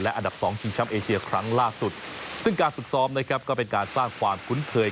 อันดับสองชิงช้ำเอเชียครั้งล่าสุดซึ่งการฝึกซ้อมนะครับก็เป็นการสร้างความคุ้นเคย